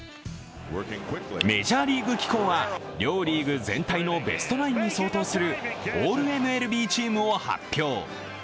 メジャーリーグ機構は両リーグ全体のベストナインに相当するオールＭＬＢチームを発表。